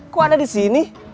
kok ada di sini